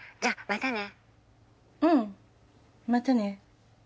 またね。